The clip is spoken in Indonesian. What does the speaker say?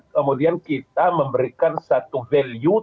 kemudian kita memberikan satu value